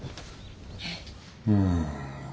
うん。